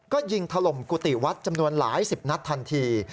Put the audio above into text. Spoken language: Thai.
ก็ยิงถล่มกุฏิวัดจำนวนหลายสิบนัดทันที